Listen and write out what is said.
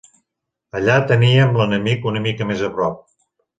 Allà teníem l'enemic una mica més a prop